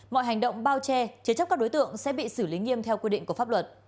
mọi hành động bao che chế chấp các đối tượng sẽ bị xử lý nghiêm theo quy định của pháp luật